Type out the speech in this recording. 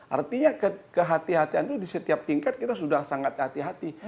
artinya kehatian kehatian itu di setiap tingkat kita sudah sangat hati hati